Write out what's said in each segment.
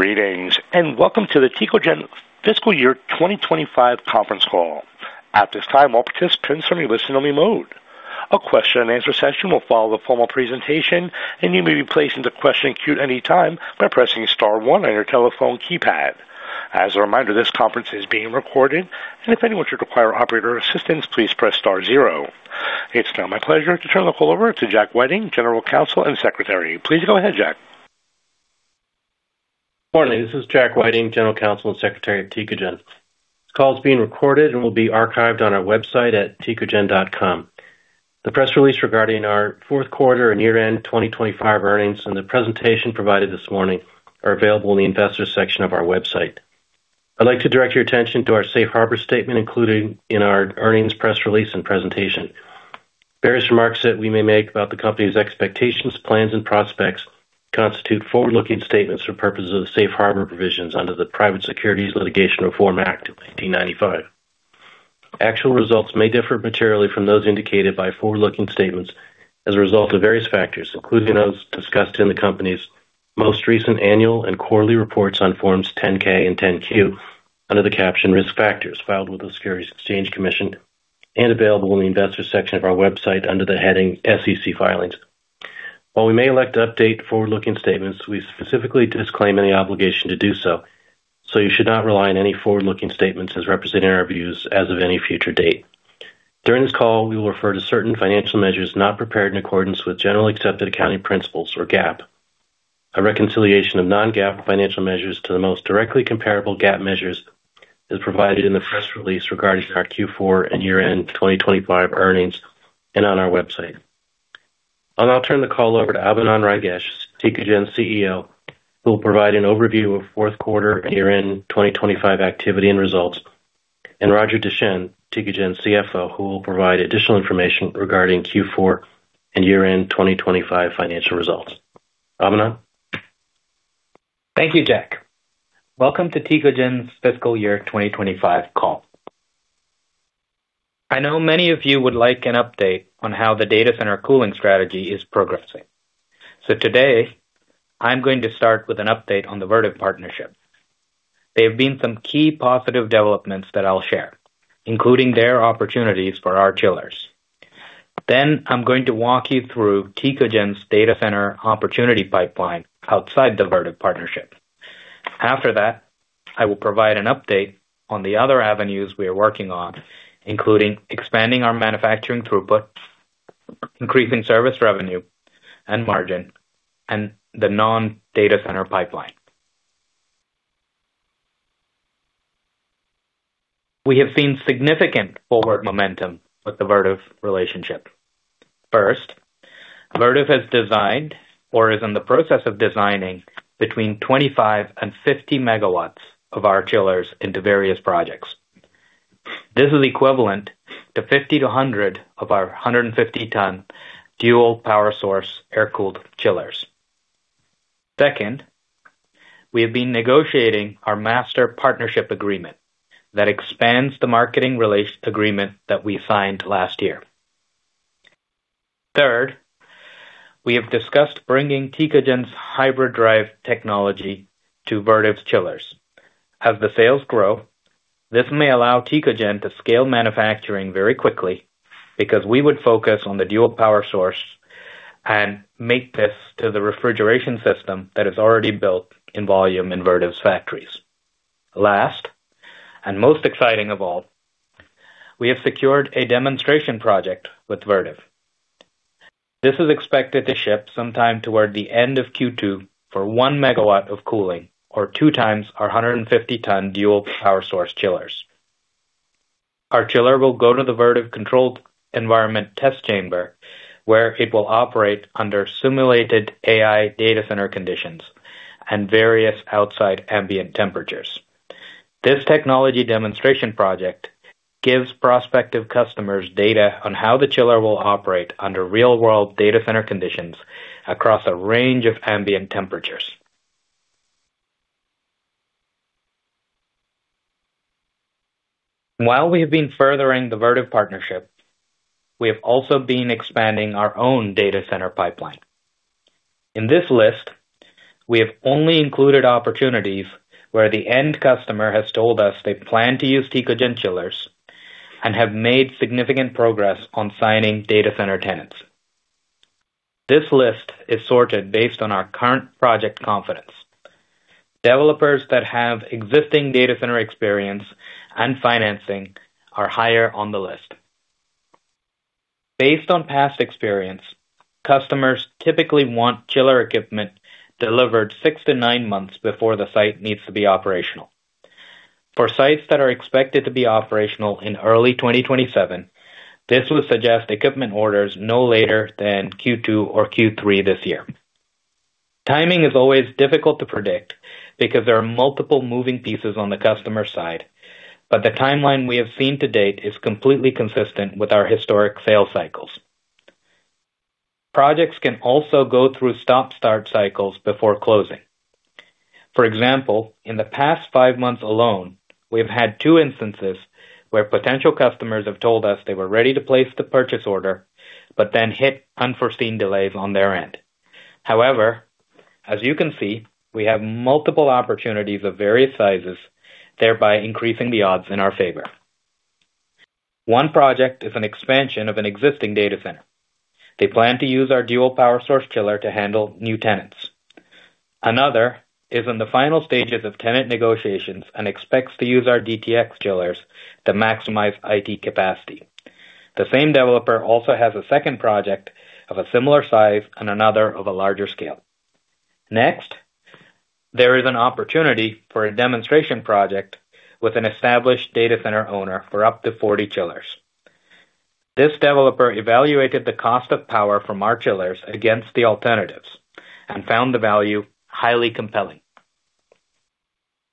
Greetings, and welcome to the Tecogen Fiscal Year 2025 conference call. At this time, all participants are in listen-only mode. A question and answer session will follow the formal presentation, and you may be placed into the question queue at any time by pressing star one on your telephone keypad. As a reminder, this conference is being recorded, and if anyone should require operator assistance, please press star zero. It's now my pleasure to turn the call over to Jack Whiting, General Counsel and Secretary. Please go ahead, Jack. Morning, this is Jack Whiting, General Counsel and Secretary of Tecogen. This call is being recorded and will be archived on our website at tecogen.com. The press release regarding our fourth quarter and year-end 2025 earnings and the presentation provided this morning are available in the Investors section of our website. I'd like to direct your attention to our safe harbor statement included in our earnings, press release and presentation. Various remarks that we may make about the company's expectations, plans and prospects constitute forward-looking statements for purposes of the safe harbor provisions under the Private Securities Litigation Reform Act of 1995. Actual results may differ materially from those indicated by forward-looking statements as a result of various factors, including those discussed in the company's most recent annual and quarterly reports on Forms 10-K and 10-Q under the caption Risk Factors filed with the Securities and Exchange Commission and available in the Investors section of our website under the heading SEC Filings. While we may elect to update forward-looking statements, we specifically disclaim any obligation to do so. You should not rely on any forward-looking statements as representing our views as of any future date. During this call, we will refer to certain financial measures not prepared in accordance with generally accepted accounting principles or GAAP. A reconciliation of non-GAAP financial measures to the most directly comparable GAAP measures is provided in the press release regarding our Q4 and year-end 2025 earnings and on our website. I'll now turn the call over to Abinand Rangesh, Tecogen's CEO, who will provide an overview of fourth quarter and year-end 2025 activity and results, and Roger Deschenes, Tecogen's CFO, who will provide additional information regarding Q4 and year-end 2025 financial results. Abinand. Thank you, Jack. Welcome to Tecogen's fiscal year 2025 call. I know many of you would like an update on how the data center cooling strategy is progressing. Today I'm going to start with an update on the Vertiv partnership. There have been some key positive developments that I'll share, including their opportunities for our chillers. I'm going to walk you through Tecogen's data center opportunity pipeline outside the Vertiv partnership. After that, I will provide an update on the other avenues we are working on, including expanding our manufacturing throughput, increasing service revenue and margin, and the non-data center pipeline. We have seen significant forward momentum with the Vertiv relationship. First, Vertiv has designed or is in the process of designing between 25 MW and 50 MW of our chillers into various projects. This is equivalent to 50-100 of our 150-ton dual power source air-cooled chillers. Second, we have been negotiating our master partnership agreement that expands the marketing release agreement that we signed last year. Third, we have discussed bringing Tecogen's hybrid drive technology to Vertiv's chillers. As the sales grow, this may allow Tecogen to scale manufacturing very quickly because we would focus on the dual power source and mate this to the refrigeration system that is already built in volume in Vertiv's factories. Last and most exciting of all, we have secured a demonstration project with Vertiv. This is expected to ship sometime toward the end of Q2 for 1 MW of cooling, or 2x our 150-ton dual power source chillers. Our chiller will go to the Vertiv controlled environment test chamber, where it will operate under simulated AI data center conditions and various outside ambient temperatures. This technology demonstration project gives prospective customers data on how the chiller will operate under real world data center conditions across a range of ambient temperatures. While we have been furthering the Vertiv partnership, we have also been expanding our own data center pipeline. In this list, we have only included opportunities where the end customer has told us they plan to use Tecogen chillers and have made significant progress on signing data center tenants. This list is sorted based on our current project confidence. Developers that have existing data center experience and financing are higher on the list. Based on past experience, customers typically want chiller equipment delivered 6 months-9 months before the site needs to be operational. For sites that are expected to be operational in early 2027, this would suggest equipment orders no later than Q2 or Q3 this year. Timing is always difficult to predict because there are multiple moving pieces on the customer side, but the timeline we have seen to date is completely consistent with our historic sales cycles. Projects can also go through stop start cycles before closing. For example, in the past five months alone. We've had two instances where potential customers have told us they were ready to place the purchase order, but then hit unforeseen delays on their end. However, as you can see, we have multiple opportunities of various sizes, thereby increasing the odds in our favor. One project is an expansion of an existing data center. They plan to use our Dual-Power Source Chiller to handle new tenants. Another is in the final stages of tenant negotiations and expects to use our DTX chillers to maximize IT capacity. The same developer also has a second project of a similar size and another of a larger scale. Next, there is an opportunity for a demonstration project with an established data center owner for up to 40 chillers. This developer evaluated the cost of power from our chillers against the alternatives and found the value highly compelling.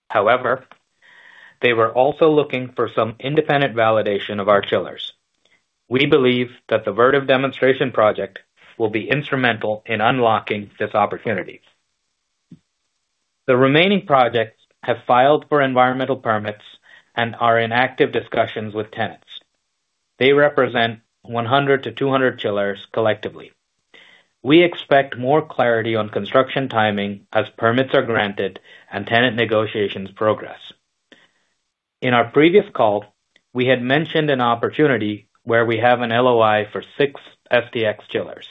However, they were also looking for some independent validation of our chillers. We believe that the Vertiv demonstration project will be instrumental in unlocking this opportunity. The remaining projects have filed for environmental permits and are in active discussions with tenants. They represent 100 chillers-200 chillers collectively. We expect more clarity on construction timing as permits are granted and tenant negotiations progress. In our previous call, we had mentioned an opportunity where we have an LOI for 6 DTX chillers.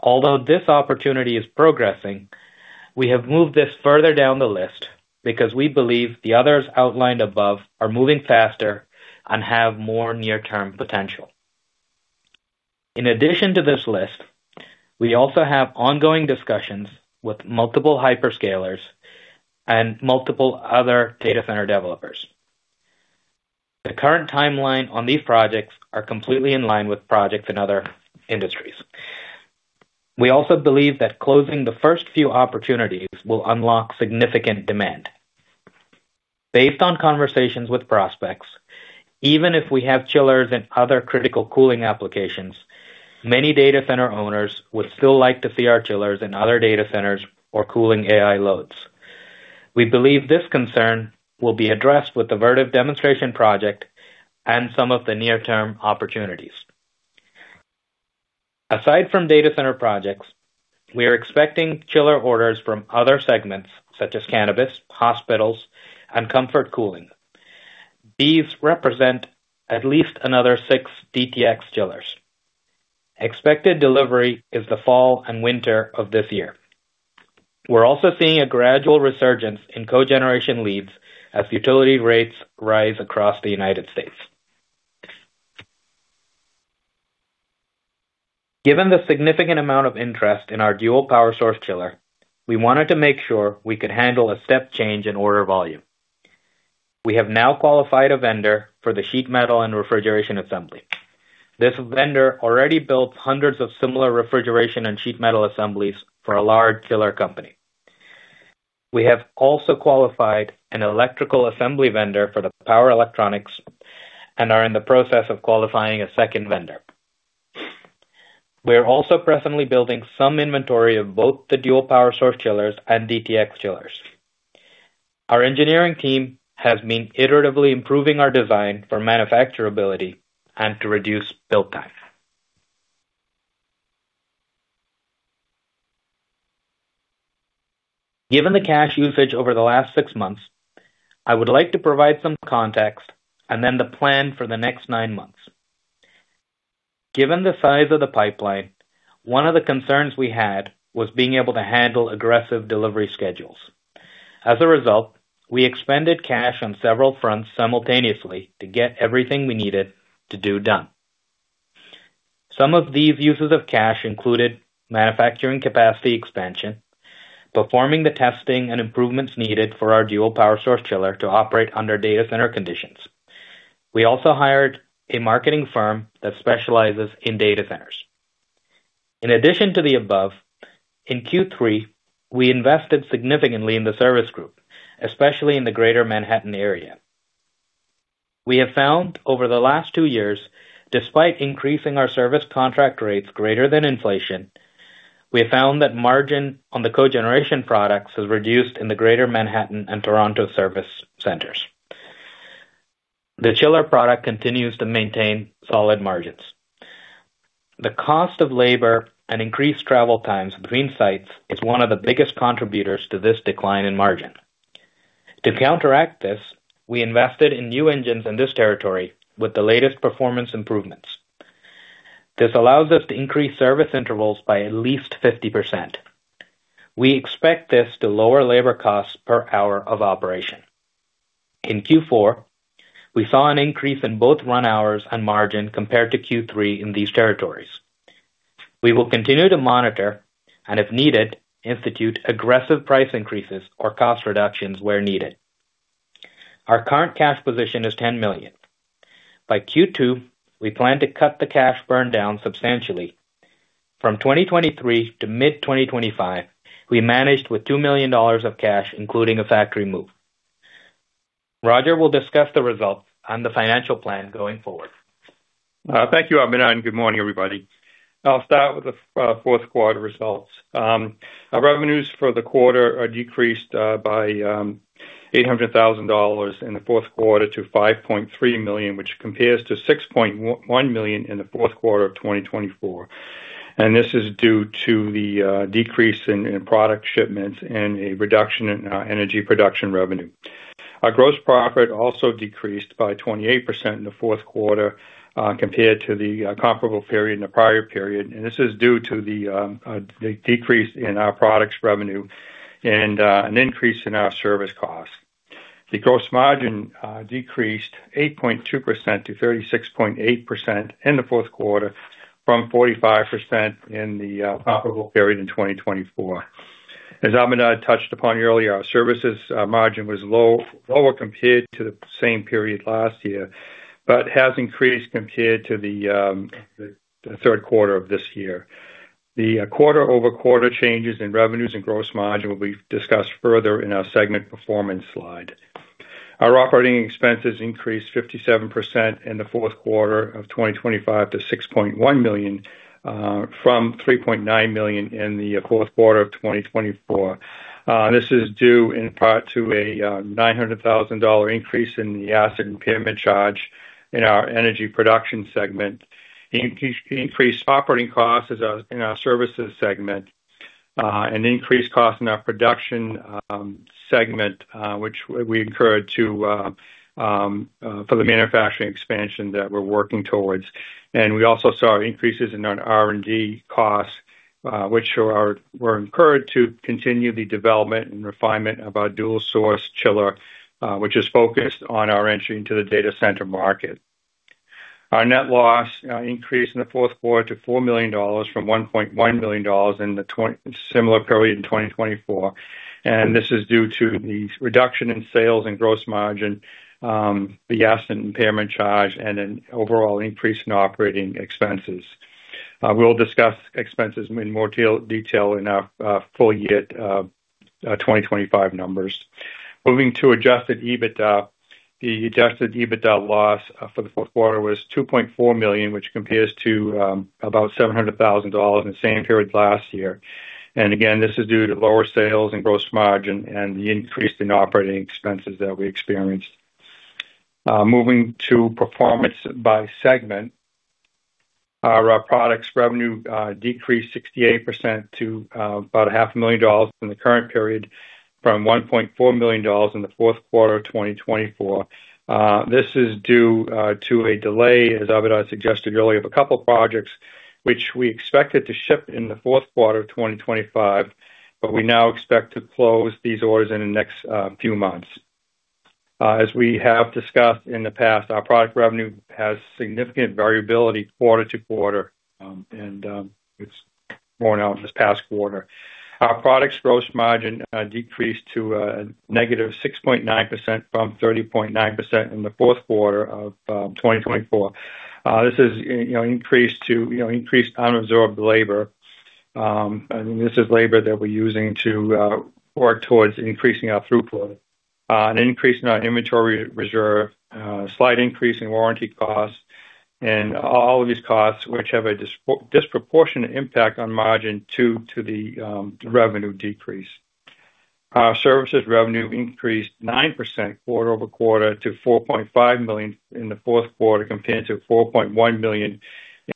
Although this opportunity is progressing, we have moved this further down the list because we believe the others outlined above are moving faster and have more near-term potential. In addition to this list, we also have ongoing discussions with multiple hyperscalers and multiple other data center developers. The current timeline on these projects are completely in line with projects in other industries. We also believe that closing the first few opportunities will unlock significant demand. Based on conversations with prospects, even if we have chillers and other critical cooling applications, many data center owners would still like to see our chillers in other data centers or cooling AI loads. We believe this concern will be addressed with the Vertiv demonstration project and some of the near-term opportunities. Aside from data center projects, we are expecting chiller orders from other segments such as cannabis, hospitals, and comfort cooling. These represent at least another 6 DTX chillers. Expected delivery is the fall and winter of this year. We're also seeing a gradual resurgence in cogeneration leads as utility rates rise across the United States. Given the significant amount of interest in our Dual-Power Source Chiller, we wanted to make sure we could handle a step change in order volume. We have now qualified a vendor for the sheet metal and refrigeration assembly. This vendor already built hundreds of similar refrigeration and sheet metal assemblies for a large chiller company. We have also qualified an electrical assembly vendor for the power electronics and are in the process of qualifying a second vendor. We are also presently building some inventory of both the Dual-Power Source Chillers and DTX chillers. Our engineering team has been iteratively improving our design for manufacturability and to reduce build time. Given the cash usage over the last six months, I would like to provide some context and then the plan for the next nine months. Given the size of the pipeline, one of the concerns we had was being able to handle aggressive delivery schedules. As a result, we expended cash on several fronts simultaneously to get everything we needed to do done. Some of these uses of cash included manufacturing capacity expansion, performing the testing and improvements needed for our Dual-Power Source Chiller to operate under data center conditions. We also hired a marketing firm that specializes in data centers. In addition to the above, in Q3, we invested significantly in the service group, especially in the Greater Manhattan area. We have found over the last 2 years, despite increasing our service contract rates greater than inflation, we have found that margin on the cogeneration products has reduced in the Greater Manhattan and Toronto service centers. The chiller product continues to maintain solid margins. The cost of labor and increased travel times between sites is one of the biggest contributors to this decline in margin. To counteract this, we invested in new engines in this territory with the latest performance improvements. This allows us to increase service intervals by at least 50%. We expect this to lower labor costs per hour of operation. In Q4, we saw an increase in both run hours and margin compared to Q3 in these territories. We will continue to monitor and, if needed, institute aggressive price increases or cost reductions where needed. Our current cash position is $10 million. By Q2, we plan to cut the cash burn down substantially. From 2023 to mid-2025, we managed with $2 million of cash, including a factory move. Roger will discuss the results and the financial plan going forward. Thank you, Abinand, and good morning, everybody. I'll start with the fourth quarter results. Our revenues for the quarter are decreased by $800,000 in the fourth quarter to $5.3 million, which compares to $6.1 million in the fourth quarter of 2024. This is due to the decrease in product shipments and a reduction in energy production revenue. Our gross profit also decreased by 28% in the fourth quarter compared to the comparable period in the prior period, and this is due to the decrease in our products revenue and an increase in our service costs. The gross margin decreased 8.2% to 36.8% in the fourth quarter from 45% in the comparable period in 2024. As Abinand touched upon earlier, our services margin was lower compared to the same period last year, but has increased compared to the third quarter of this year. The quarter-over-quarter changes in revenues and gross margin will be discussed further in our segment performance slide. Our operating expenses increased 57% in the fourth quarter of 2025 to $6.1 million from $3.9 million in the fourth quarter of 2024. This is due in part to a $900,000 increase in the asset impairment charge in our energy production segment, increased operating costs in our services segment, an increased cost in our production segment, which we incurred for the manufacturing expansion that we're working towards. We also saw increases in our R&D costs, which were incurred to continue the development and refinement of our Dual-Power Source Chiller, which is focused on our entry into the data center market. Our net loss increased in the fourth quarter to $4 million from $1.1 million in the similar period in 2024, and this is due to the reduction in sales and gross margin, the asset impairment charge, and an overall increase in operating expenses. We'll discuss expenses in more detail in our full year 2025 numbers. Moving to adjusted EBITDA. The adjusted EBITDA loss for the fourth quarter was $2.4 million, which compares to about $700 thousand in the same period last year. This is due to lower sales and gross margin and the increase in operating expenses that we experienced. Moving to performance by segment. Our products revenue decreased 68% to about half a million dollars in the current period from $1.4 million in the fourth quarter of 2024. This is due to a delay, as Abinand suggested earlier, of a couple of projects which we expected to ship in the fourth quarter of 2025, but we now expect to close these orders in the next few months. As we have discussed in the past, our product revenue has significant variability quarter-to-quarter, and it's more now this past quarter. Our products gross margin decreased to -6.9% from 30.9% in the fourth quarter of 2024. This is, you know, increased unabsorbed labor. I mean, this is labor that we're using to work towards increasing our throughput. An increase in our inventory reserve, slight increase in warranty costs and all of these costs, which have a disproportionate impact on margin to the revenue decrease. Our services revenue increased 9% quarter-over-quarter to $4.5 million in the fourth quarter, compared to $4.1 million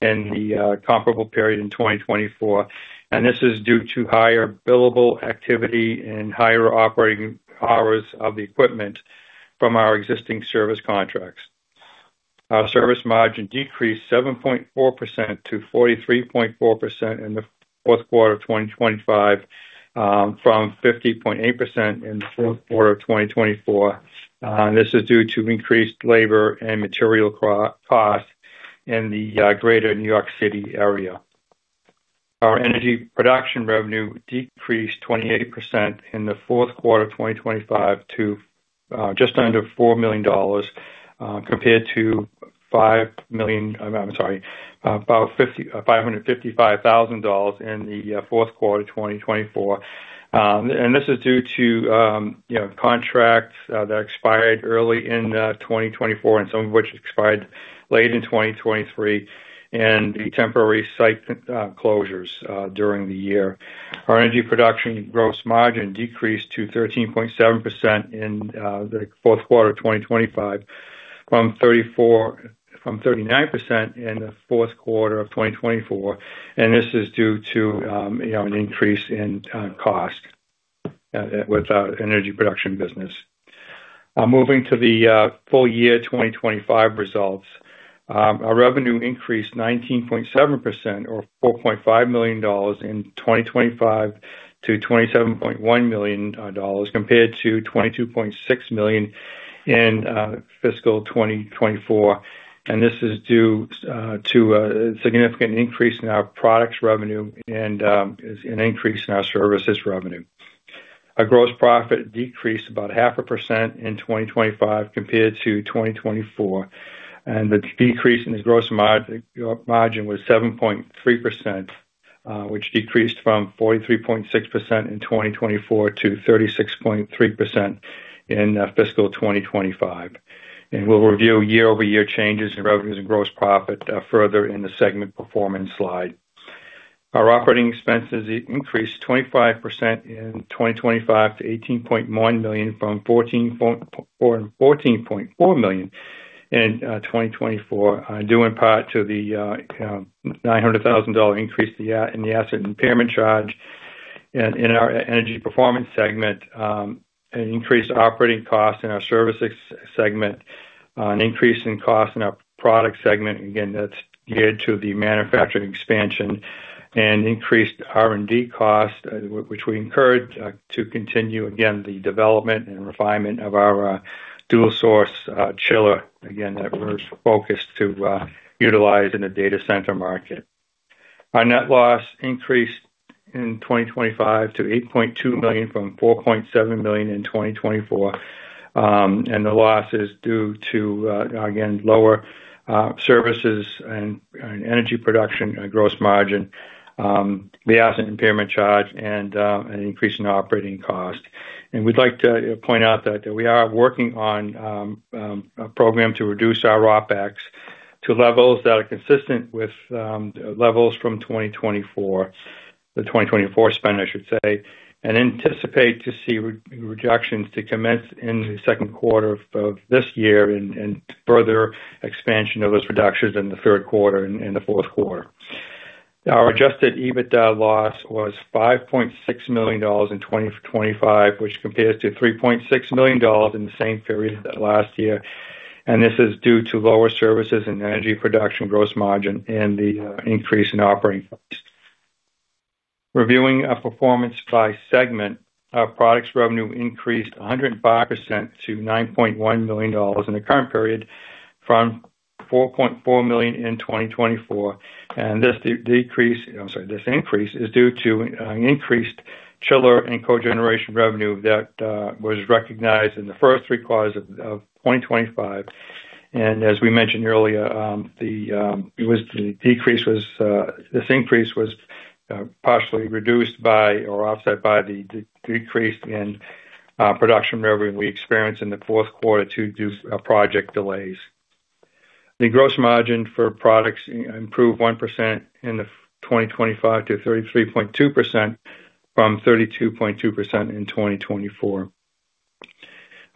in the comparable period in 2024. This is due to higher billable activity and higher operating hours of the equipment from our existing service contracts. Our service margin decreased 7.4%-43.4% in the fourth quarter of 2025, from 50.8% in the fourth quarter of 2024. This is due to increased labor and material costs in the greater New York City area. Our energy production revenue decreased 28% in the fourth quarter of 2025 to just under $4 million, compared to $5,555,000 in the fourth quarter of 2024. This is due to you know, contracts that expired early in 2024 and some of which expired late in 2023, and the temporary site closures during the year. Our energy production gross margin decreased to 13.7% in the fourth quarter of 2025 from 39% in the fourth quarter of 2024, and this is due to you know, an increase in cost with our energy production business. Moving to the full year 2025 results. Our revenue increased 19.7% or $4.5 million in 2025 to $27.1 million compared to $22.6 million in fiscal 2024. This is due to a significant increase in our products revenue and is an increase in our services revenue. Our gross profit decreased about half a percent in 2025 compared to 2024, and the decrease in the gross margin was 7.3%. Which decreased from 43.6% in 2024 to 36.3% in fiscal 2025. We'll review year-over-year changes in revenues and gross profit further in the segment performance slide. Our operating expenses increased 25% in 2025 to $18.1 million from $14.4 million in 2024, due in part to the $900,000 increase in the asset impairment charge in our energy performance segment, an increased operating cost in our services segment, an increase in cost in our product segment. Again, that's geared to the manufacturing expansion and increased R&D costs which we encourage to continue again the development and refinement of our dual source chiller. Again, that we're focused to utilize in the data center market. Our net loss increased in 2025 to $8.2 million from $4.7 million in 2024. The loss is due to, again, lower services and energy production and gross margin, the asset impairment charge and an increase in operating cost. We'd like to point out that we are working on a program to reduce our OpEx to levels that are consistent with levels from 2024. The 2024 spend, I should say, and anticipate to see reductions to commence in the second quarter of this year and further expansion of those reductions in the third quarter and the fourth quarter. Our adjusted EBITDA loss was $5.6 million in 2025, which compares to $3.6 million in the same period last year. This is due to lower services and energy production gross margin and the increase in operating costs. Reviewing our performance by segment. Our products revenue increased 105% to $9.1 million in the current period from $4.4 million in 2024. This decrease, I'm sorry, this increase is due to an increased chiller and cogeneration revenue that was recognized in the first three quarters of 2025. As we mentioned earlier, this increase was partially reduced by or offset by the decrease in production revenue we experienced in the fourth quarter due to project delays. The gross margin for products improved 1% in 2025 to 33.2% from 32.2% in 2024.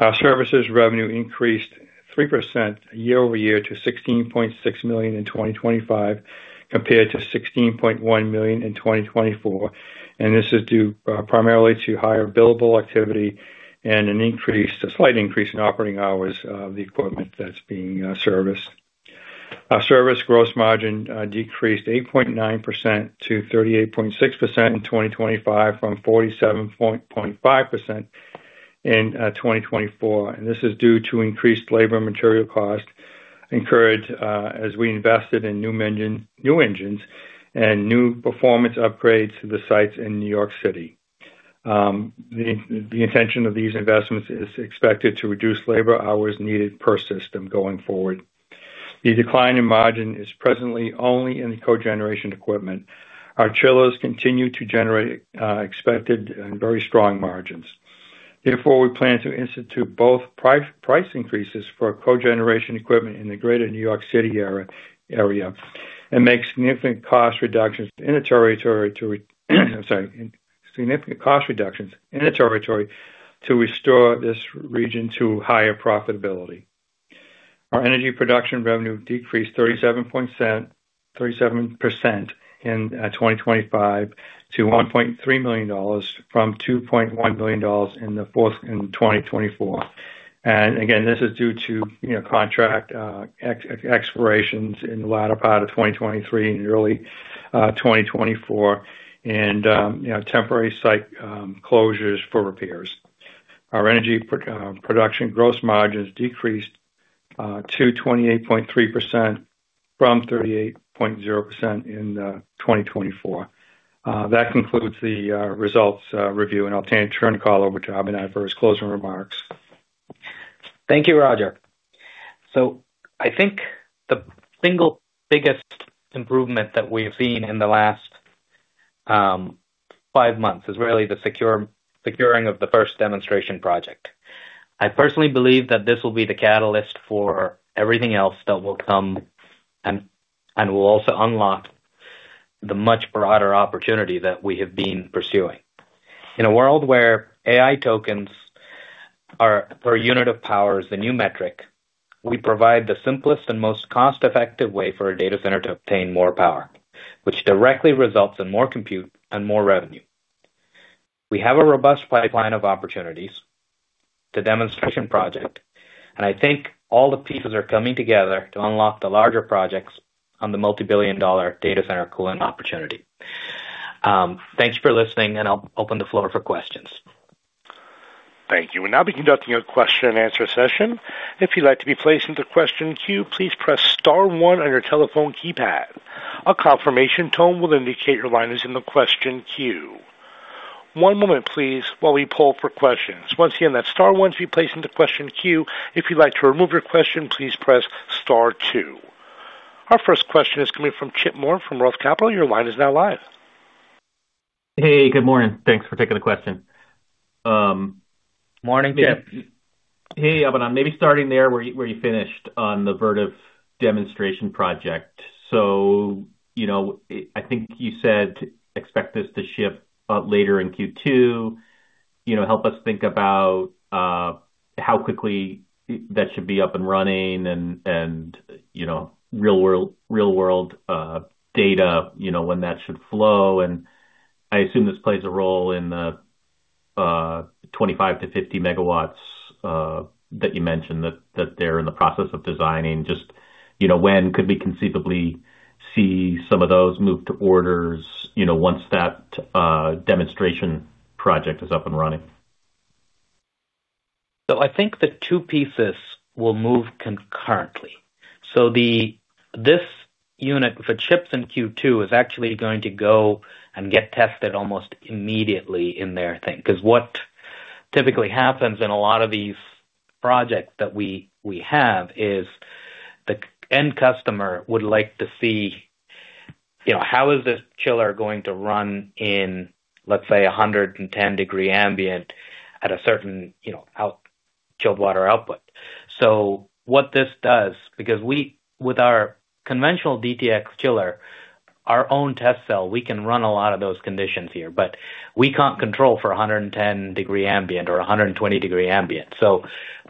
Our services revenue increased 3% year over year to $16.6 million in 2025, compared to $16.1 million in 2024. This is due primarily to higher billable activity and an increase, a slight increase in operating hours of the equipment that's being serviced. Our service gross margin decreased 8.9% to 38.6% in 2025 from 47.5% in 2024. This is due to increased labor material costs incurred as we invested in new engines and new performance upgrades to the sites in New York City. The intention of these investments is expected to reduce labor hours needed per system going forward. The decline in margin is presently only in the cogeneration equipment. Our chillers continue to generate expected and very strong margins. Therefore, we plan to institute both price increases for cogeneration equipment in the greater New York City area, and make significant cost reductions in the territory to restore this region to higher profitability. Our energy production revenue decreased 37.7% in 2025 to $1.3 million from $2.1 million in 2024. Again, this is due to you know, contract expirations in the latter part of 2023 and early 2024, and you know, temporary site closures for repairs. Our energy production gross margins decreased to 28.3% from 38.0% in 2024. That concludes the results review, and I'll turn the call over to Abinand for his closing remarks. Thank you, Roger. I think the single biggest improvement that we've seen in the last five months is really the securing of the first demonstration project. I personally believe that this will be the catalyst for everything else that will come and will also unlock the much broader opportunity that we have been pursuing. In a world where AI tokens are, per unit of power, is the new metric, we provide the simplest and most cost-effective way for a data center to obtain more power, which directly results in more compute and more revenue. We have a robust pipeline of opportunities, the demonstration project, and I think all the pieces are coming together to unlock the larger projects on the multi-billion dollar data center cooling opportunity. Thank you for listening, and I'll open the floor for questions. Thank you. We'll now be conducting a question and answer session. If you'd like to be placed in the question queue, please press star one on your telephone keypad. A confirmation tone will indicate your line is in the question queue. One moment, please, while we poll for questions. Once again, that star one to be placed into question queue. If you'd like to remove your question, please press star two. Our first question is coming from Chip Moore from Roth Capital. Your line is now live. Hey, good morning. Thanks for taking the question. Morning, Chip. Hey, Abinand Rangesh. Maybe starting there where you finished on the Vertiv demonstration project. You know, I think you said expect this to ship later in Q2. You know, help us think about how quickly that should be up and running and you know, real world data you know, when that should flow. I assume this plays a role in the 25 MW-50 MW that you mentioned that they're in the process of designing. Just you know, when could we conceivably see some of those move to orders you know, once that demonstration project is up and running? I think the two pieces will move concurrently. This unit, if it ships in Q2, is actually going to go and get tested almost immediately in their thing. Because what typically happens in a lot of these projects that we have is the end customer would like to see, you know, how is this chiller going to run in, let's say, 110-degree ambient at a certain, you know, chilled water output. What this does, because with our conventional DTX chiller, our own test cell, we can run a lot of those conditions here, but we can't control for 110-degree ambient or 120-degree ambient. The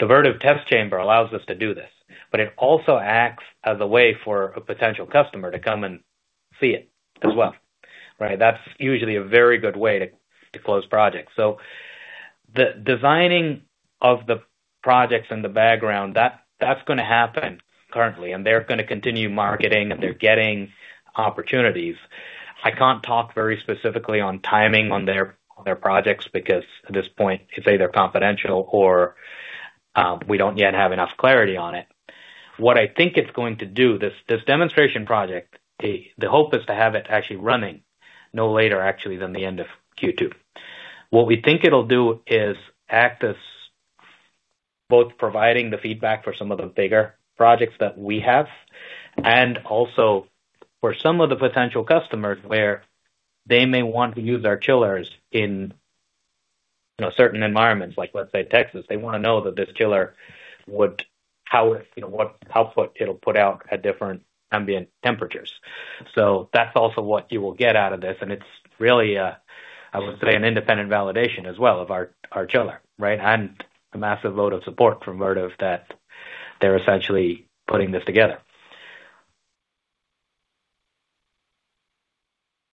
Vertiv test chamber allows us to do this, but it also acts as a way for a potential customer to come and see it as well, right? That's usually a very good way to close projects. The designing of the projects in the background, that's gonna happen currently, and they're gonna continue marketing and they're getting opportunities. I can't talk very specifically on timing on their projects because at this point, it's either confidential or we don't yet have enough clarity on it. What I think it's going to do, this demonstration project, the hope is to have it actually running no later actually than the end of Q2. What we think it'll do is act as both providing the feedback for some of the bigger projects that we have and also for some of the potential customers where they may want to use our chillers in, you know, certain environments, like let's say, Texas. They wanna know that this chiller how it, you know, what output it'll put out at different ambient temperatures. That's also what you will get out of this. It's really a, I would say, an independent validation as well of our chiller, right? A massive vote of support from Vertiv that they're essentially putting this together.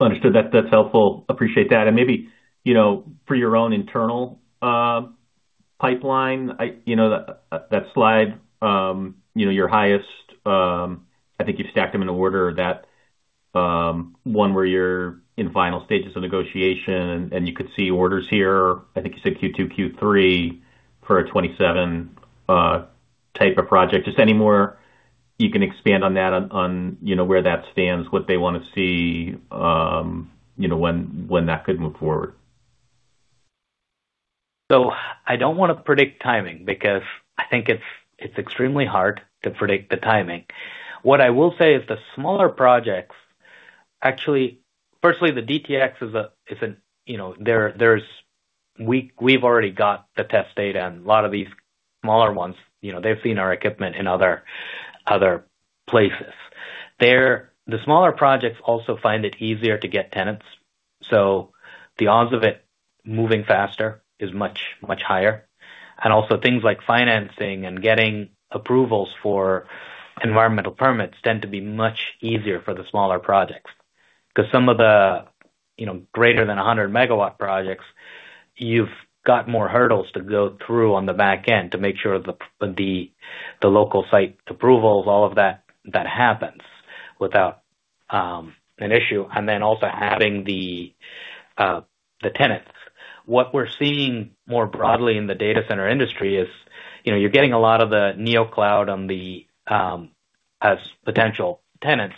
Understood. That's helpful. Appreciate that. Maybe, you know, for your own internal pipeline, you know, that slide, you know, your highest, I think you've stacked them in order that one where you're in final stages of negotiation and you could see orders here. I think you said Q2, Q3 for a 27 type of project. Just any more you can expand on that on, you know, where that stands, what they wanna see, you know, when that could move forward. I don't wanna predict timing because I think it's extremely hard to predict the timing. What I will say is the smaller projects, actually, firstly, the DTX is a, you know, we've already got the test data and a lot of these smaller ones, you know, they've seen our equipment in other places. The smaller projects also find it easier to get tenants, so the odds of it moving faster is much higher. Also things like financing and getting approvals for environmental permits tend to be much easier for the smaller projects. 'Cause some of the, you know, greater than 100 MW projects, you've got more hurdles to go through on the back end to make sure the local site approvals, all of that happens without an issue, and then also having the tenants. What we're seeing more broadly in the data center industry is, you know, you're getting a lot of the Neocloud as potential tenants.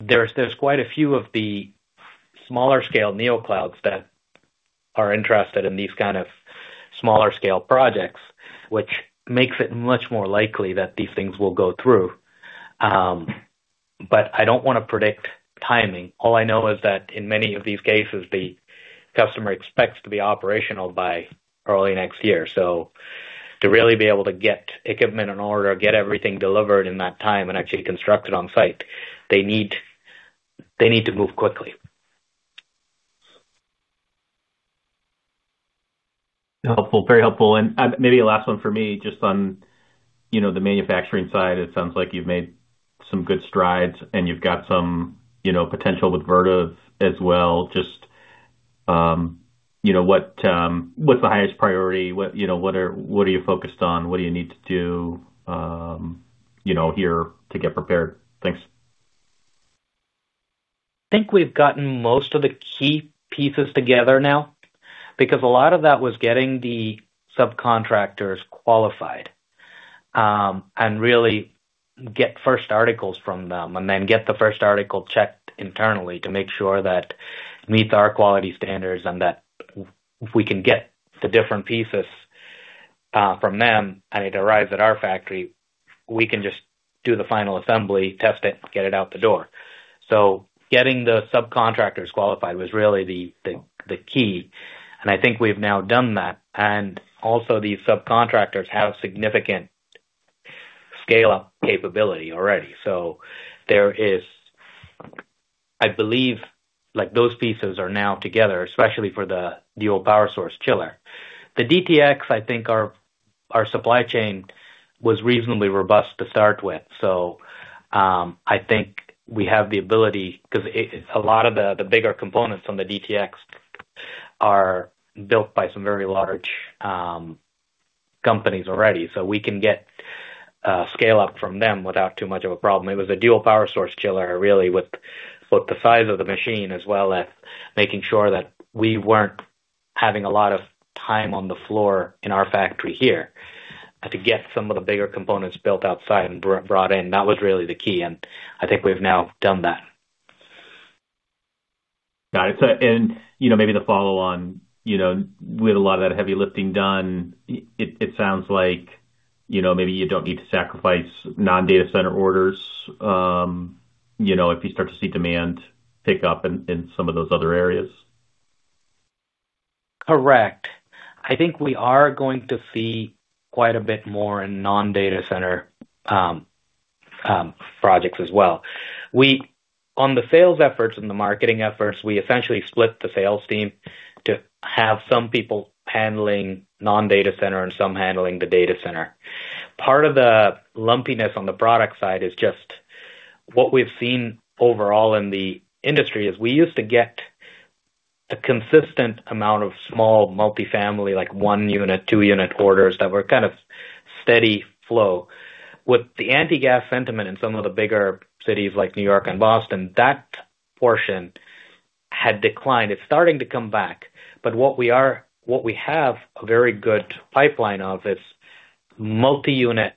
There's quite a few of the smaller scale Neoclouds that are interested in these kind of smaller scale projects, which makes it much more likely that these things will go through. I don't wanna predict timing. All I know is that in many of these cases, the customer expects to be operational by early next year. To really be able to get equipment in order, get everything delivered in that time and actually constructed on site, they need to move quickly. Helpful. Very helpful. Maybe a last one for me, just on, you know, the manufacturing side, it sounds like you've made some good strides and you've got some, you know, potential with Vertiv as well. Just, you know, what's the highest priority? What, you know, what are you focused on? What do you need to do, you know, here to get prepared? Thanks. I think we've gotten most of the key pieces together now because a lot of that was getting the subcontractors qualified, and really get first articles from them and then get the first article checked internally to make sure that it meets our quality standards and that if we can get the different pieces from them and it arrives at our factory, we can just do the final assembly, test it, get it out the door. Getting the subcontractors qualified was really the key. I think we've now done that. Also these subcontractors have significant scale-up capability already. There is, I believe, like, those pieces are now together, especially for the Dual-Power Source Chiller. The DTX, I think our supply chain was reasonably robust to start with. I think we have the ability because a lot of the bigger components on the DTX are built by some very large companies already, so we can get scale up from them without too much of a problem. It was a dual power source chiller really with both the size of the machine as well as making sure that we weren't having a lot of time on the floor in our factory here to get some of the bigger components built outside and brought in. That was really the key, and I think we've now done that. Got it. You know, maybe the follow on, you know, with a lot of that heavy lifting done, it sounds like, you know, maybe you don't need to sacrifice non-data center orders, you know, if you start to see demand pick up in some of those other areas. Correct. I think we are going to see quite a bit more in non-data center projects as well. On the sales efforts and the marketing efforts, we essentially split the sales team to have some people handling non-data center and some handling the data center. Part of the lumpiness on the product side is just what we've seen overall in the industry, we used to get a consistent amount of small multifamily, like one unit, two unit orders that were kind of steady flow. With the anti-gas sentiment in some of the bigger cities like New York and Boston, that portion had declined. It's starting to come back. What we have a very good pipeline of is multi-unit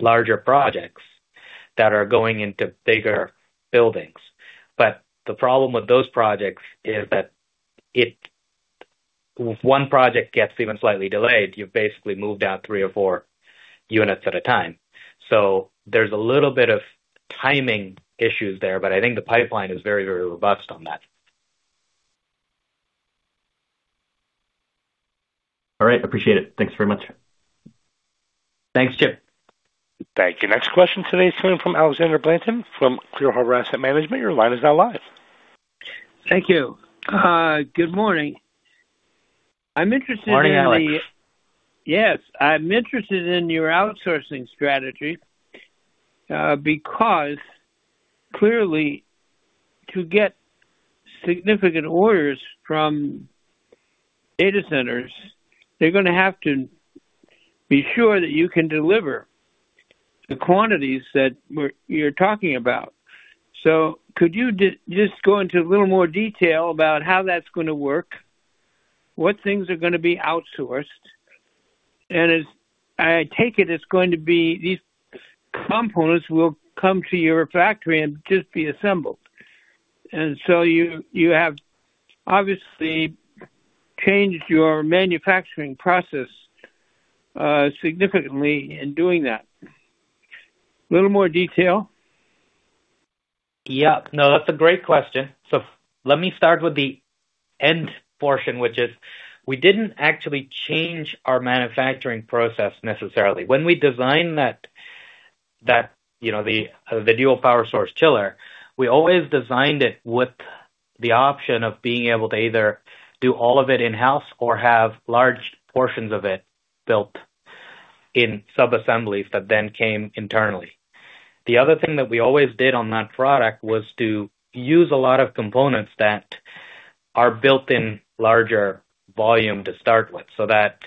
larger projects that are going into bigger buildings. The problem with those projects is that if one project gets even slightly delayed, you've basically moved out three or four units at a time. There's a little bit of timing issues there, but I think the pipeline is very, very robust on that. All right. Appreciate it. Thanks very much. Thanks, Chip. Thank you. Next question today is coming from Alexander Blanton from Clear Harbor Asset Management. Your line is now live. Thank you. Good morning. I'm interested in the- Morning, Alexander. Yes. I'm interested in your outsourcing strategy, because clearly to get significant orders from data centers, they're gonna have to be sure that you can deliver the quantities that you're talking about. Could you just go into a little more detail about how that's gonna work, what things are gonna be outsourced? As I take it's going to be these components will come to your factory and just be assembled. You have obviously changed your manufacturing process, significantly in doing that. Little more detail. Yeah. No, that's a great question. Let me start with the end portion, which is we didn't actually change our manufacturing process necessarily. When we designed that, you know, the Dual-Power Source Chiller, we always designed it with the option of being able to either do all of it in-house or have large portions of it built in sub-assemblies that then came internally. The other thing that we always did on that product was to use a lot of components that are built in larger volume to start with, so that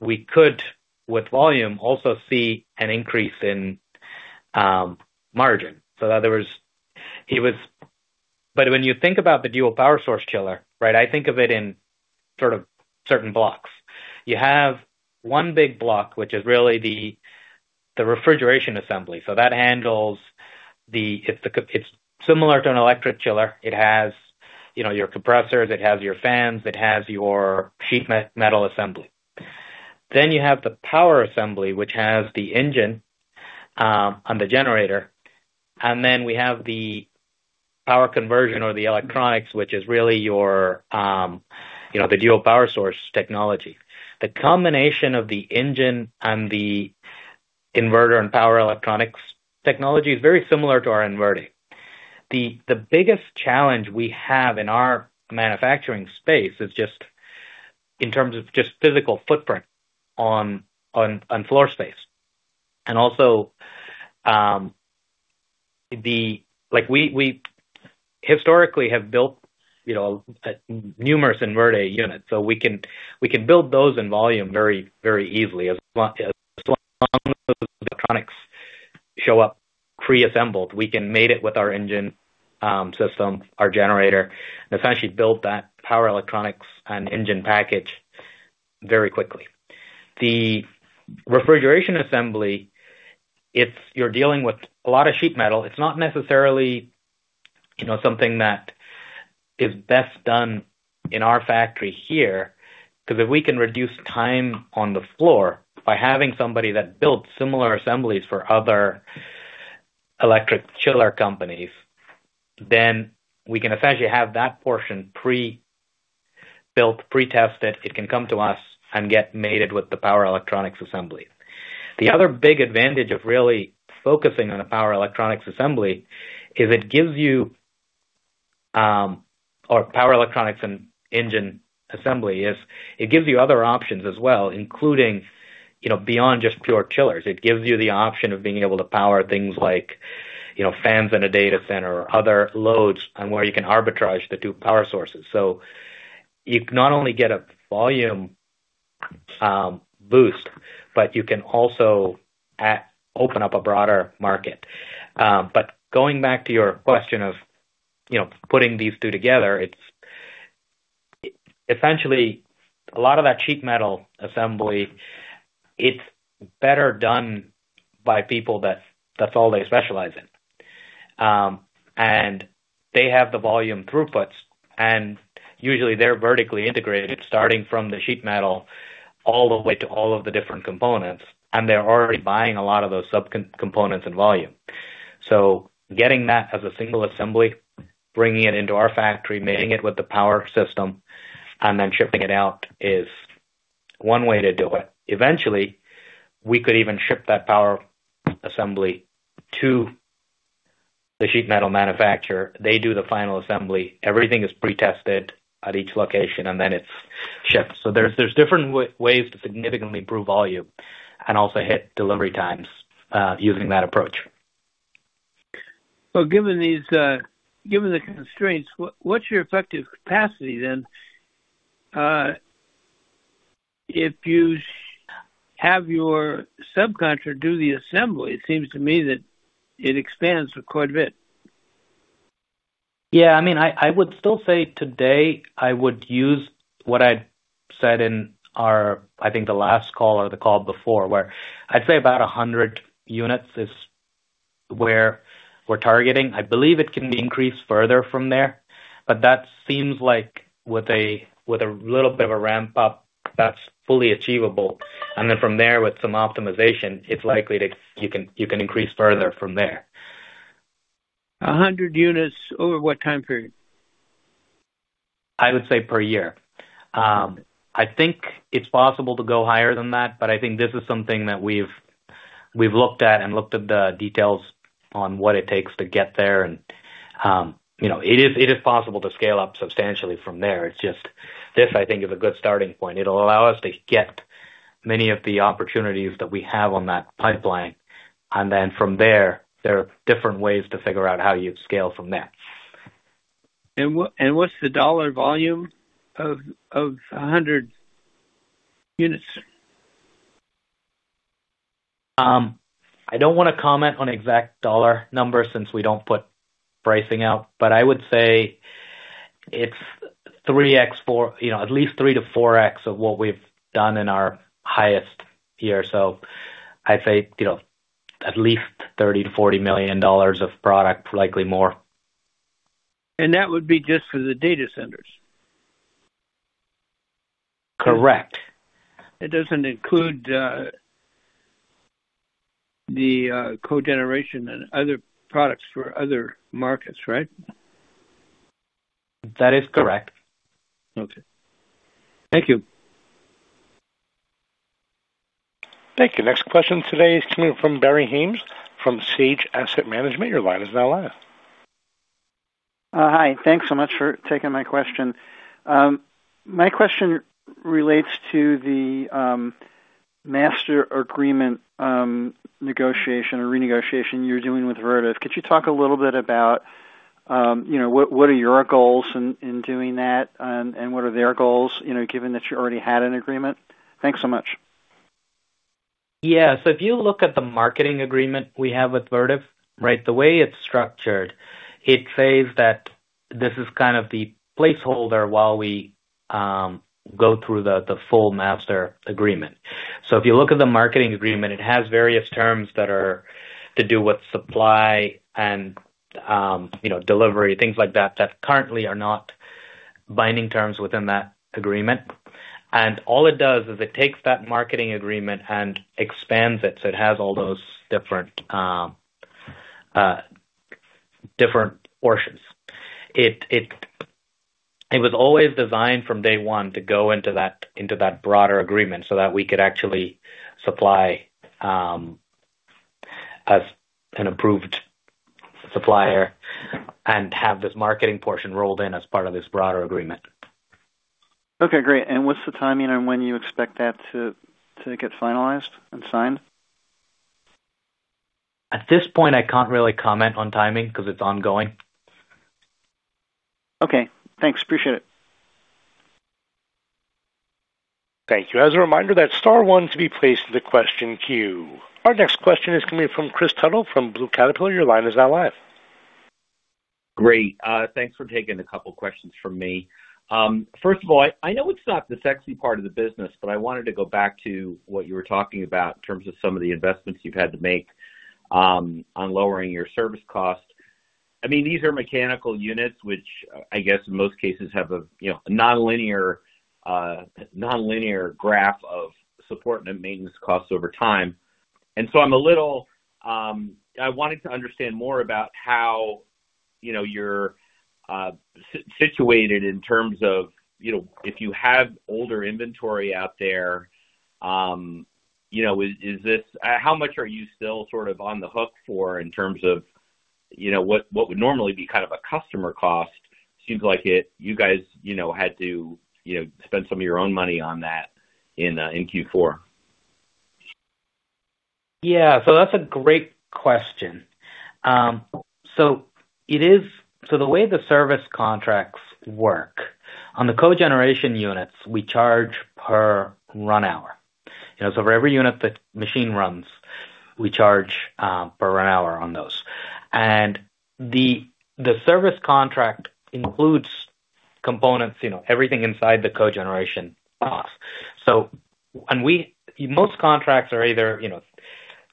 we could, with volume, also see an increase in margin. When you think about the Dual-Power Source Chiller, right? I think of it in sort of certain blocks. You have one big block, which is really the refrigeration assembly. It's similar to an electric chiller. It has, you know, your compressors, it has your fans, it has your sheet metal assembly. You have the power assembly, which has the engine and the generator. We have the power conversion or the electronics, which is really your, you know, the dual power source technology. The combination of the engine and the inverter and power electronics technology is very similar to our inverter. The biggest challenge we have in our manufacturing space is just in terms of physical footprint on floor space. Like, we historically have built, you know, numerous inverter units, so we can build those in volume very, very easily as long as electronics show up preassembled. We can mate it with our engine, system, our generator, essentially build that power electronics and engine package very quickly. The refrigeration assembly, if you're dealing with a lot of sheet metal, it's not necessarily, you know, something that is best done in our factory here. 'Cause if we can reduce time on the floor by having somebody that built similar assemblies for other electric chiller companies, then we can essentially have that portion pre-built, pre-tested. It can come to us and get mated with the power electronics assembly. The other big advantage of really focusing on the power electronics and engine assembly is it gives you other options as well, including, you know, beyond just pure chillers. It gives you the option of being able to power things like, you know, fans in a data center or other loads, and where you can arbitrage the two power sources. You can not only get a volume boost, but you can also open up a broader market. Going back to your question of, you know, putting these two together, it's essentially a lot of that sheet metal assembly. It's better done by people that's all they specialize in. They have the volume throughputs, and usually they're vertically integrated, starting from the sheet metal all the way to all of the different components. They're already buying a lot of those subcomponents and volume. Getting that as a single assembly, bringing it into our factory, mating it with the power system and then shipping it out is one way to do it. Eventually, we could even ship that power assembly to the sheet metal manufacturer. They do the final assembly. Everything is pre-tested at each location and then it's shipped. There's different ways to significantly improve volume and also hit delivery times using that approach. Well, given the constraints, what's your effective capacity then? If you have your subcontractor do the assembly, it seems to me that it expands quite a bit. Yeah. I mean, I would still say today I would use what I said in our, I think, the last call or the call before, where I'd say about 100 units is where we're targeting. I believe it can be increased further from there, but that seems like with a little bit of a ramp up, that's fully achievable. Then from there, with some optimization, you can increase further from there. A hundred units over what time period? I would say per year. I think it's possible to go higher than that, but I think this is something that we've looked at and looked at the details on what it takes to get there. You know, it is possible to scale up substantially from there. It's just this, I think, is a good starting point. It'll allow us to get many of the opportunities that we have on that pipeline. From there are different ways to figure out how you scale from there. What's the dollar volume of 100 units? I don't wanna comment on exact dollar numbers since we don't put pricing out, but I would say it's you know, at least 3x-4x of what we've done in our highest year. I'd say, you know, at least $30 million-$40 million of product, likely more. That would be just for the data centers? Correct. It doesn't include the cogeneration and other products for other markets, right? That is correct. Okay. Thank you. Thank you. Next question today is coming from Barry Haines from Sage Asset Management. Your line is now live. Hi. Thanks so much for taking my question. My question relates to the master agreement negotiation or renegotiation you're doing with Vertiv. Could you talk a little bit about, you know, what are your goals in doing that? What are their goals, you know, given that you already had an agreement? Thanks so much. Yeah. If you look at the marketing agreement we have with Vertiv, right? The way it's structured, it says that this is kind of the placeholder while we go through the full master agreement. If you look at the marketing agreement, it has various terms that are to do with supply and, you know, delivery, things like that currently are not binding terms within that agreement. All it does is it takes that marketing agreement and expands it so it has all those different portions. It was always designed from day one to go into that broader agreement so that we could actually supply as an approved supplier and have this marketing portion rolled in as part of this broader agreement. Okay, great. What's the timing on when you expect that to get finalized and signed? At this point, I can't really comment on timing 'cause it's ongoing. Okay. Thanks. Appreciate it. Thank you. As a reminder, that's star one to be placed to the question queue. Our next question is coming from Kris Tuttle from Blue Caterpillar. Your line is now live. Great. Thanks for taking a couple of questions from me. First of all, I know it's not the sexy part of the business, but I wanted to go back to what you were talking about in terms of some of the investments you've had to make on lowering your service costs. I mean, these are mechanical units which I guess in most cases have you know a nonlinear graph of support and maintenance costs over time. I wanted to understand more about how you know you're situated in terms of you know if you have older inventory out there you know how much are you still sort of on the hook for in terms of you know what would normally be kind of a customer cost? Seems like it, you guys, you know, had to, you know, spend some of your own money on that in Q4. Yeah. That's a great question. The way the service contracts work on the cogeneration units, we charge per run hour. You know, so for every unit the machine runs, we charge per run hour on those. And the service contract includes components, you know, everything inside the cogeneration box. Most contracts are either, you know,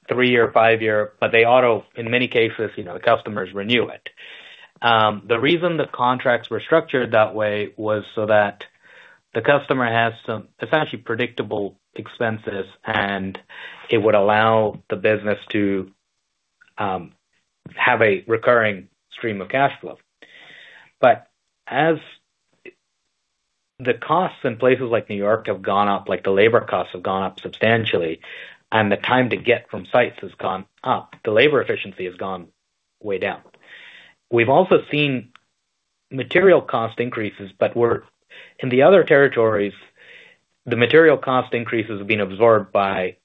three-year or five-year, but in many cases, you know, the customers renew it. The reason the contracts were structured that way was so that the customer has some essentially predictable expenses, and it would allow the business to have a recurring stream of cash flow. As the costs in places like New York have gone up, like the labor costs have gone up substantially, and the time to get from sites has gone up, the labor efficiency has gone way down. We've also seen material cost increases, but we're in the other territories, the material cost increases have been absorbed by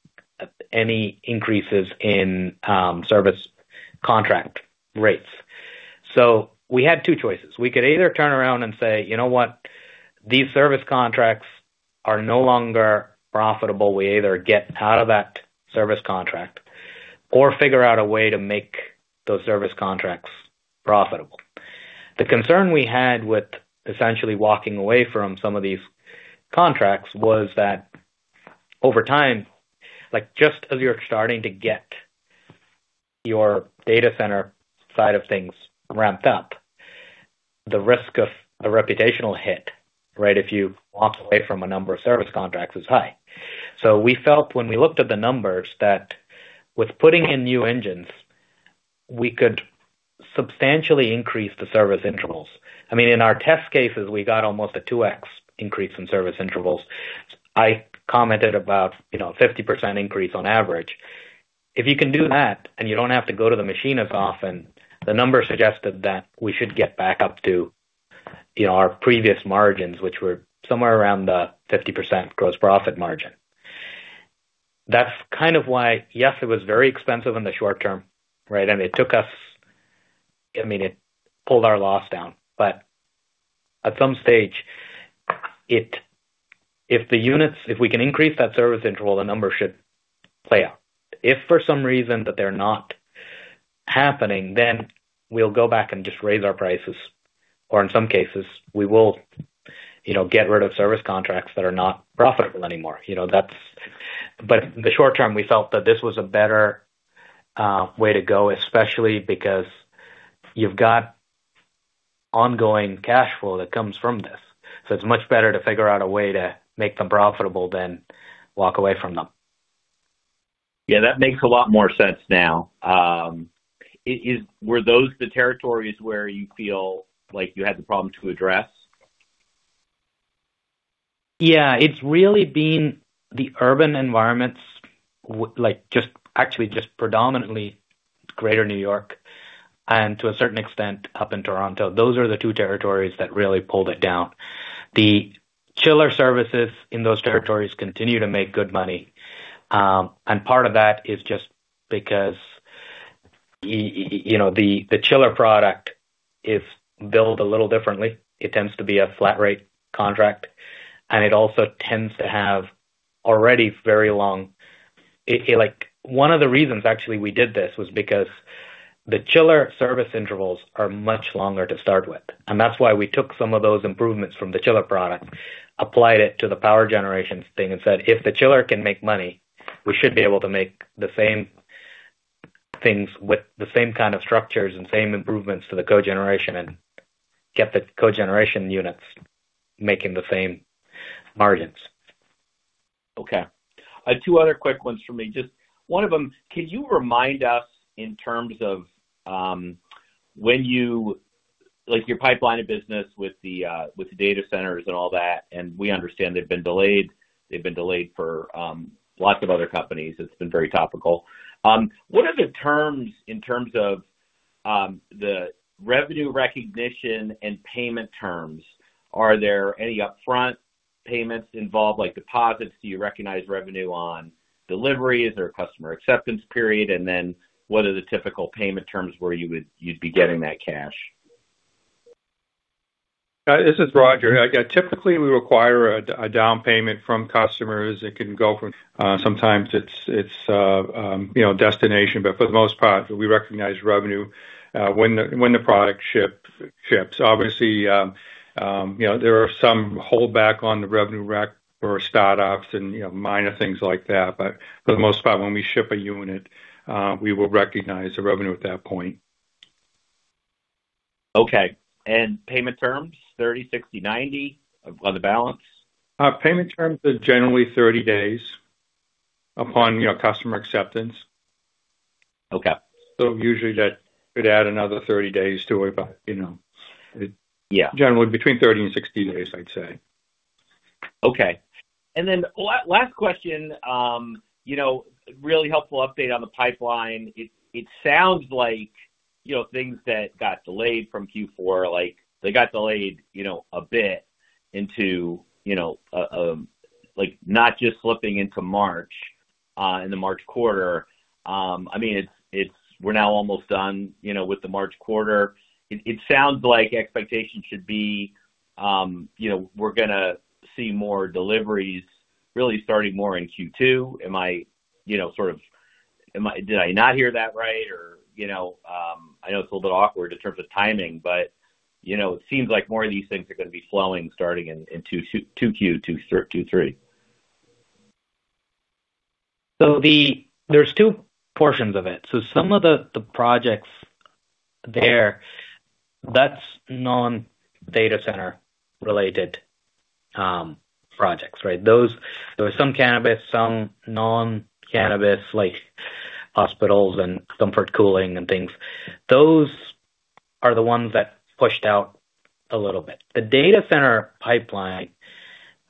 any increases in service contract rates. We had two choices. We could either turn around and say, "You know what? These service contracts are no longer profitable. We either get out of that service contract or figure out a way to make those service contracts profitable." The concern we had with essentially walking away from some of these contracts was that over time, like, just as you're starting to get your data center side of things ramped up, the risk of a reputational hit, right, if you walked away from a number of service contracts is high. We felt when we looked at the numbers that with putting in new engines, we could substantially increase the service intervals. I mean, in our test cases, we got almost a 2x increase in service intervals. I commented about, you know, 50% increase on average. If you can do that and you don't have to go to the machine as often, the numbers suggested that we should get back up to, you know, our previous margins, which were somewhere around 50% gross profit margin. That's kind of why, yes, it was very expensive in the short term, right? It took us. I mean, it pulled our loss down. At some stage, if we can increase that service interval, the numbers should play out. If for some reason that they're not happening, then we'll go back and just raise our prices, or in some cases we will, you know, get rid of service contracts that are not profitable anymore. You know, in the short term, we felt that this was a better way to go, especially because you've got ongoing cash flow that comes from this. It's much better to figure out a way to make them profitable than walk away from them. Yeah, that makes a lot more sense now. Were those the territories where you feel like you had the problem to address? Yeah. It's really been the urban environments like, just, actually just predominantly Greater New York and to a certain extent, up in Toronto. Those are the two territories that really pulled it down. The chiller services in those territories continue to make good money. Part of that is just because you know, the chiller product is billed a little differently. It tends to be a flat rate contract, and it also tends to have already very long. One of the reasons actually we did this was because the chiller service intervals are much longer to start with. That's why we took some of those improvements from the chiller product, applied it to the power generation thing and said, "If the chiller can make money, we should be able to make the same things with the same kind of structures and same improvements to the cogeneration and get the cogeneration units making the same margins. Okay. I have two other quick ones for me. Just one of them, can you remind us in terms of your pipeline of business with the data centers and all that, and we understand they've been delayed. They've been delayed for lots of other companies. It's been very topical. What are the terms in terms of the revenue recognition and payment terms? Are there any upfront payments involved, like deposits? Do you recognize revenue on delivery? Is there a customer acceptance period? And then what are the typical payment terms where you'd be getting that cash? This is Roger. Yeah, typically we require a DA down payment from customers that can go from sometimes it's you know destination. For the most part, we recognize revenue when the product ships. Obviously, there are some holdback on the revenue rec for startups and you know minor things like that. For the most part, when we ship a unit, we will recognize the revenue at that point. Okay. Payment terms 30 days, 60 days, 90 days on the balance? Payment terms are generally 30 days upon, you know, customer acceptance. Okay. Usually that could add another 30 days to it, but, you know. Yeah. Generally between 30 days and 60 days, I'd say. Okay. Last question. You know, really helpful update on the pipeline. It sounds like, you know, things that got delayed from Q4, like they got delayed, you know, a bit into, like not just flipping into March, in the March quarter. I mean, it's. We're now almost done, you know, with the March quarter. It sounds like expectations should be, you know, we're gonna see more deliveries really starting more in Q2. Did I not hear that right? Or, you know, I know it's a little bit awkward in terms of timing, but, you know, it seems like more of these things are gonna be flowing starting in Q2 2023. There's two portions of it. Some of the projects there, that's non-data center related projects, right? Those. There were some cannabis, some non-cannabis, like hospitals and comfort cooling and things. Those are the ones that pushed out a little bit. The data center pipeline,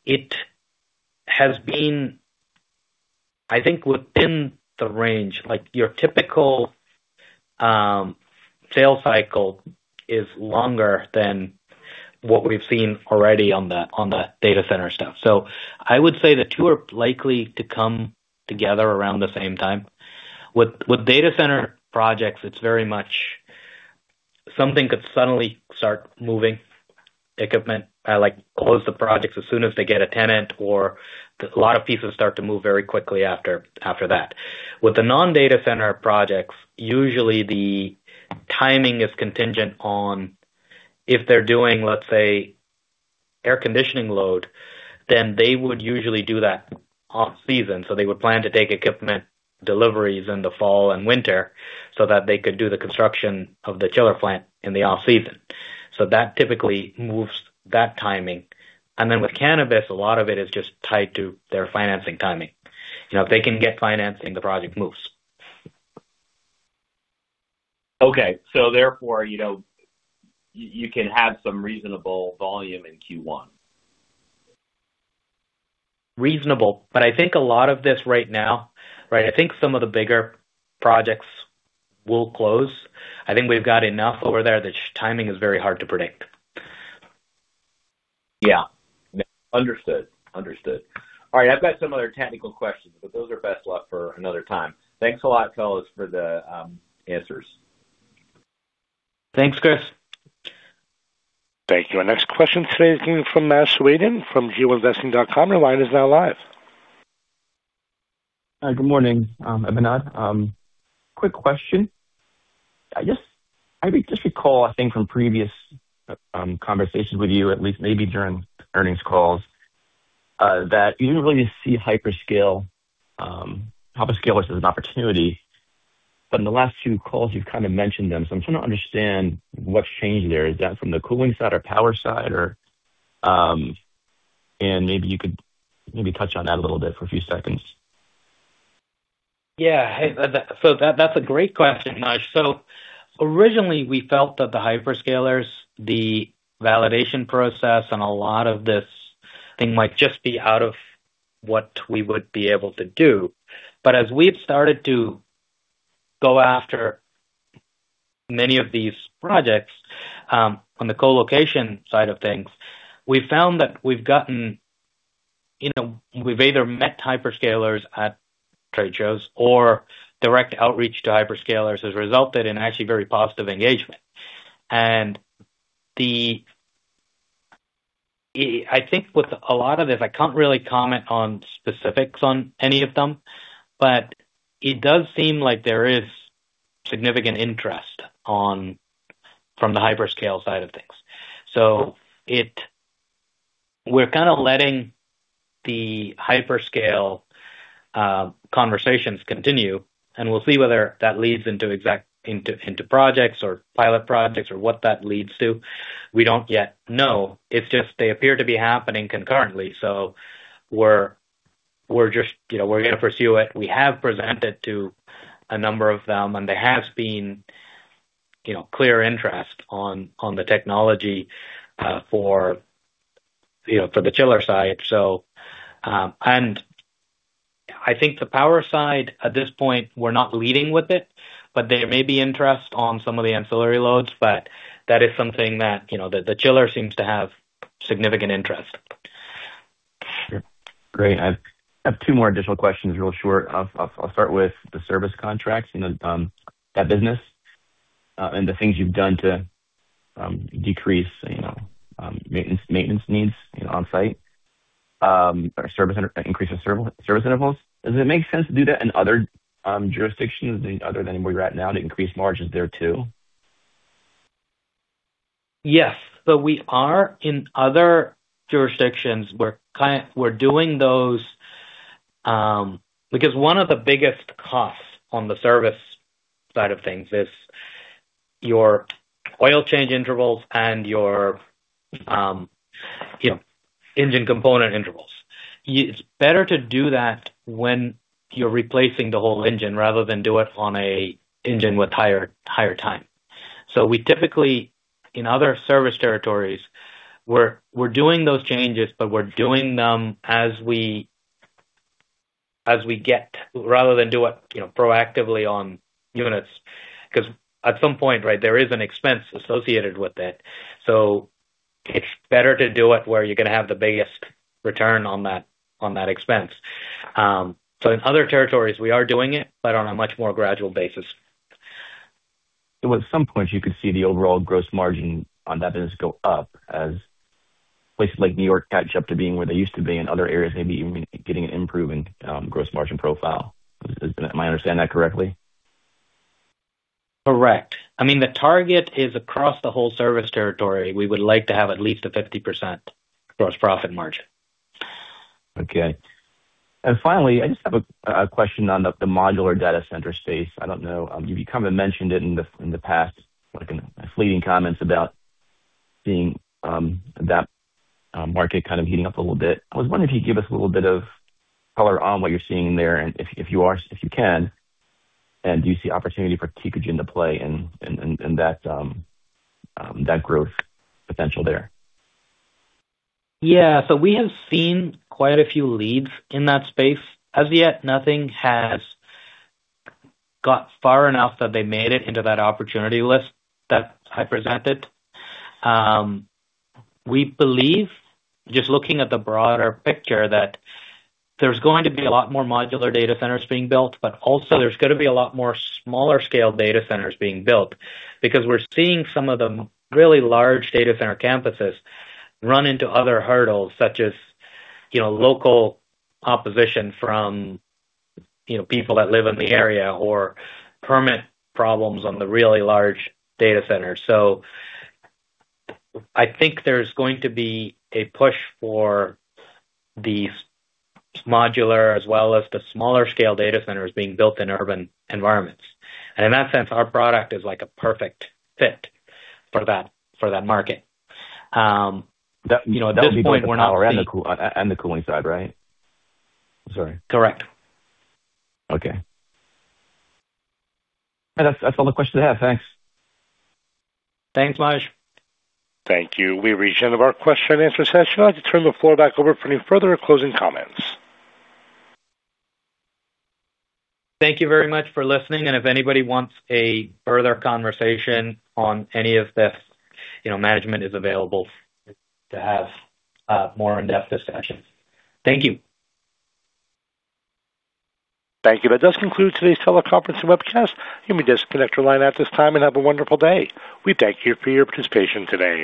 it has been I think within the range, like your typical sales cycle is longer than what we've seen already on the data center stuff. I would say the two are likely to come together around the same time. With data center projects, it's very much something could suddenly start moving equipment, like close the projects as soon as they get a tenant or a lot of pieces start to move very quickly after that. With the non-data center projects, usually the timing is contingent on if they're doing, let's say, air conditioning load, then they would usually do that off-season. They would plan to take equipment deliveries in the fall and winter so that they could do the construction of the chiller plant in the off-season. That typically moves that timing. With cannabis, a lot of it is just tied to their financing timing. You know, if they can get financing, the project moves. Okay. Therefore, you know, you can have some reasonable volume in Q1. Reasonable, I think a lot of this right now, right, I think some of the bigger projects will close. I think we've got enough over there that timing is very hard to predict. Yeah. Understood. All right. I've got some other technical questions, but those are best left for another time. Thanks a lot, fellas, for the answers. Thanks, Kris. Thank you. Our next question today is coming from Maj Soueidan from GeoInvesting.com. Your line is now live. Good morning, Abinand. Quick question. I just recall, I think from previous conversations with you at least maybe during earnings calls, that you didn't really see hyperscalers as an opportunity. In the last two calls you've kind of mentioned them, so I'm trying to understand what's changed there. Is that from the cooling side or power side? Maybe you could touch on that a little bit for a few seconds. Yeah. That, that's a great question, Maj. Originally we felt that the hyperscalers, the validation process and a lot of this thing might just be out of what we would be able to do. As we've started to go after many of these projects, on the co-location side of things, we found that we've gotten. You know, we've either met hyperscalers at trade shows or direct outreach to hyperscalers has resulted in actually very positive engagement. The. I think with a lot of this, I can't really comment on specifics on any of them, but it does seem like there is significant interest from the hyperscale side of things. It, we're kind of letting the hyperscale conversations continue, and we'll see whether that leads into projects or pilot projects or what that leads to. We don't yet know. It's just they appear to be happening concurrently. We're just, you know, we're gonna pursue it. We have presented to a number of them, and there has been, you know, clear interest in the technology, you know, for the chiller side. I think the power side at this point, we're not leading with it, but there may be interest in some of the ancillary loads. That is something that, you know, the chiller seems to have significant interest. Sure. Great. I have two more additional questions, real short. I'll start with the service contracts, you know, that business, and the things you've done to decrease, you know, maintenance needs on site, or increase in service intervals. Does it make sense to do that in other jurisdictions other than where you're at now to increase margins there too? We are in other jurisdictions, we're doing those, because one of the biggest costs on the service side of things is your oil change intervals and your, you know, engine component intervals. It's better to do that when you're replacing the whole engine rather than do it on a engine with higher time. We typically, in other service territories, we're doing those changes, but we're doing them as we get, rather than do it, you know, proactively on units, 'cause at some point, right, there is an expense associated with it, so it's better to do it where you're gonna have the biggest return on that expense. In other territories we are doing it, but on a much more gradual basis. At some point you could see the overall gross margin on that business go up as places like New York catch up to being where they used to be in other areas, maybe even getting an improving gross margin profile. Am I understanding that correctly? Correct. I mean, the target is across the whole service territory. We would like to have at least a 50% gross profit margin. Okay. Finally, I just have a question on the modular data center space. I don't know, you've kind of mentioned it in the past, like in fleeting comments about seeing that market kind of heating up a little bit. I was wondering if you could give us a little bit of color on what you're seeing there and if you are, if you can and do you see opportunity for Tecogen to play in that growth potential there? Yeah. We have seen quite a few leads in that space. As of yet, nothing has got far enough that they made it into that opportunity list that I presented. We believe just looking at the broader picture, that there's going to be a lot more modular data centers being built, but also there's gonna be a lot more smaller scale data centers being built because we're seeing some of the really large data center campuses run into other hurdles such as, you know, local opposition from, you know, people that live in the area or permit problems on the really large data centers. I think there's going to be a push for these modular as well as the smaller scale data centers being built in urban environments. In that sense, our product is like a perfect fit for that, for that market. You know, at this point we're not That would be both the power and the cooling side, right? Sorry. Correct. Okay. That's all the questions I have. Thanks. Thanks, Maj. Thank you. We've reached the end of our question and answer session. I'd like to turn the floor back over for any further closing comments. Thank you very much for listening, and if anybody wants a further conversation on any of this, you know, management is available to have more in-depth discussions. Thank you. Thank you. That does conclude today's teleconference and webcast. You may disconnect your line at this time and have a wonderful day. We thank you for your participation today.